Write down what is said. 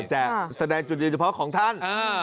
จะแสดงจุดยืนเฉพาะของท่าน